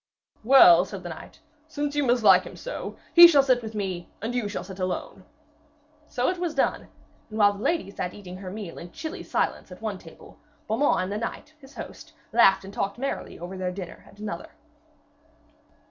'Well,' said the knight, 'since you mislike him so, he shall sit with me, and you shall sit alone.' So it was done, and while the lady sat eating her meal in chilly silence at one table, Beaumains and the knight, his host, laughed and talked merrily over their dinner at another.